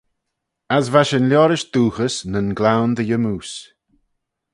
As va shin liorish dooghys nyn gloan dy yymmoose.